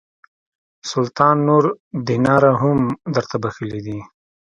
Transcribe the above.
سلطان نور دیناره هم درته بخښلي دي.